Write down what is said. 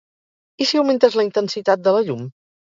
I si augmentes la intensitat de la llum?